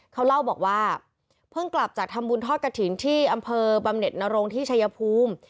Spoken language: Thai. เขาเล่าบอกว่าเพิ่งกลับจากทำบุญทอดกระถิ่นที่อำเภอบำเน็ตนรงที่ชายภูมิ